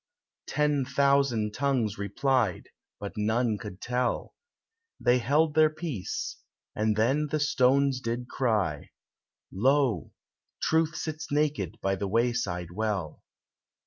Ten thousand tongues replied, but none could tell: They held their peace, and then the stones did cry— "Lo! Truth sits naked by the wayside well."